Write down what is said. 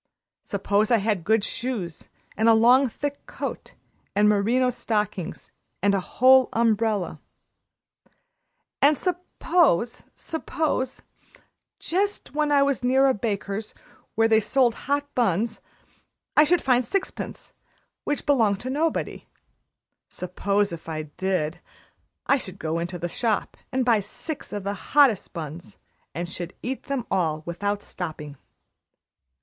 "Suppose I had good shoes and a long, thick coat and merino stockings and a whole umbrella. And suppose suppose, just when I was near a baker's where they sold hot buns, I should find sixpence which belonged to nobody. Suppose, if I did, I should go into the shop and buy six of the hottest buns, and should eat them all without stopping."